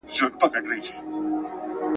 که شرموښ يوسف عليه السلام راڅخه وخوري.